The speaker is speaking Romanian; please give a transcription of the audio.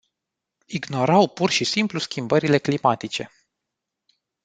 Ignorau pur și simplu schimbările climatice.